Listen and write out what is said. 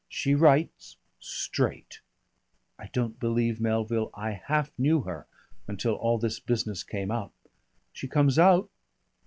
She writes straight. I don't believe, Melville, I half knew her until all this business came up. She comes out....